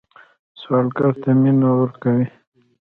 سوالګر ته مینه ورکوئ